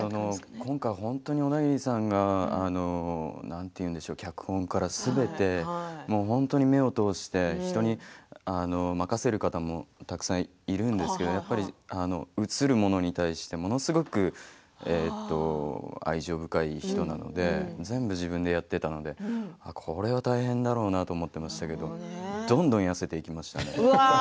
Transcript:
今回、本当にオダギリさんが脚本からすべて本当に目を通して人に任せる方もたくさんいるんですけどやっぱり映るものに対してものすごく愛情深い人なので全部、自分でやってたのでこれは大変だろうなと思ってましたけどどんどん痩せていきましたね。